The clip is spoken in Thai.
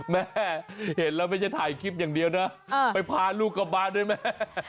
แม่เห็นแล้วไม่ใช่ถ่ายคลิปอย่างเดียวนะไปพาลูกกลับบ้านด้วยแม่